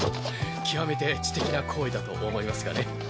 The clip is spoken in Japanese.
極めて知的な行為だと思いますがね。